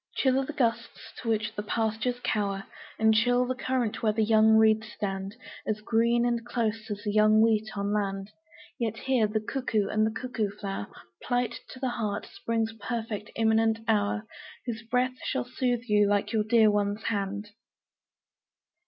Chill are the gusts to which the pastures cower, And chill the current where the young reeds stand As green and close as the young wheat on land Yet here the cuckoo and cuckoo flower Plight to the heart Spring's perfect imminent hour Whose breath shall soothe you like your dear one's hand.